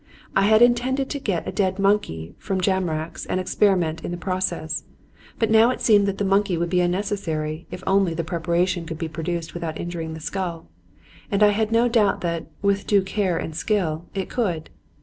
I had intended to get a dead monkey from Jamrach's and experiment in the process. But now it seemed that the monkey would be unnecessary if only the preparation could be produced without injuring the skull; and I had no doubt that, with due care and skill, it could.